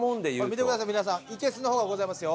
見てください皆さん生けすの方がございますよ。